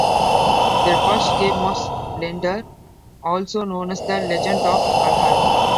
Their first game was "Leander", also known as "The Legend of Galahad".